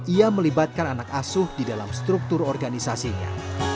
ia melibatkan anak asuh di dalam struktur organisasinya